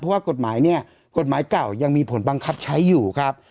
เพราะว่ากฎหมายเนี่ยกฎหมายเก่ายังมีผลบังคับใช้อยู่ครับ